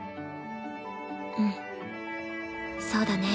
うんそうだね。